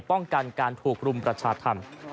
ป้องกันการถูกรุมประชาธรรม